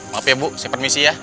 maaf ya bu saya permisi ya